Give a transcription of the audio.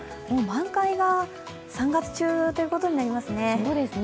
満開が３月中ということになりますね。